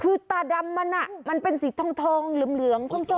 คือตาดำมันมันเป็นสีทองเหลืองส้ม